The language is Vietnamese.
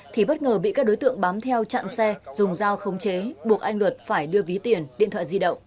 thì bất ngờ bị các đối tượng bám theo chặn xe dùng dao khống chế buộc anh luật phải đưa ví tiền điện thoại di động